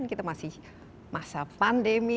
kita masih masa pandemi